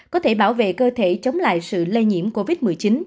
có thể bảo vệ cơ thể chống lại sự lây nhiễm covid một mươi chín